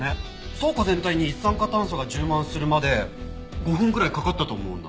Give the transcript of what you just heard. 倉庫全体に一酸化炭素が充満するまで５分くらいかかったと思うんだ。